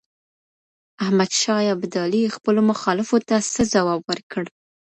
احمد شاه ابدالي خپلو مخالفو ته څه ځواب ورکړ؟